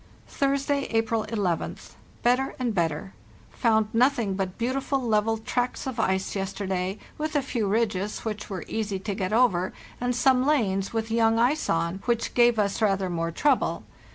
"Thursday, April 11th. Better and better. Found nothing but beautiful level tracks of ice yesterday, with a few ridges, which were easy to get over, and some lanes, with young ice on, which gave us rather more trouble.